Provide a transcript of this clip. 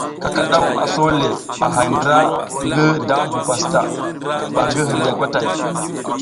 Kakadaw a so le a hay ndra ngi dabu pastaʼa ban gi hirya gwatay.